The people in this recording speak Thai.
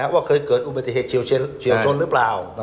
ว่าเคยเกิดอุบัติเหตุเฉียวชนหรือเปล่า